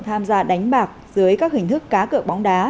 tham gia đánh bạc dưới các hình thức cá cợ bóng đá